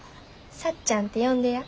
さっちゃんって呼んでや。